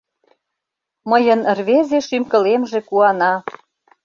Мыйын рвезе Шӱм-кылемже куана…